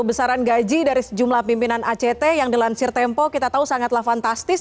besaran gaji dari sejumlah pimpinan act yang dilansir tempo kita tahu sangatlah fantastis